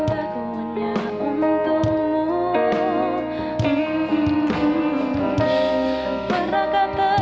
terima kasih banyak ibu